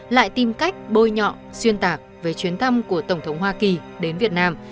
lại tìm cách bôi nhọ xuyên tạc về chuyến thăm của tổng thống hoa kỳ đến việt nam